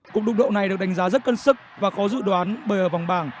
cục đụng độ này được đánh giá rất cân sức và khó dự đoán bởi ở vòng bảng